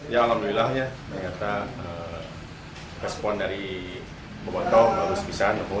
ya alhamdulillah ya ternyata respon dari bobotoh baru sepisan